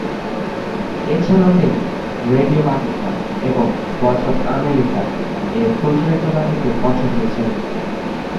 এছাড়াও তিনি "রেডিও পাকিস্তান" এবং "ভয়েস অফ আমেরিকা" এর প্রচারিত নাটকেও কণ্ঠ দিয়েছেন।